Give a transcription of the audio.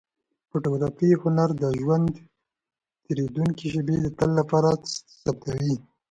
د فوتوګرافۍ هنر د ژوند تېرېدونکې شېبې د تل لپاره ثبتوي.